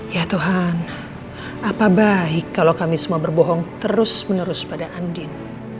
ya tuhan apa baik kalau kami semua berbohong terus menerus pada andin